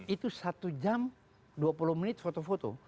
itu satu jam dua puluh menit foto foto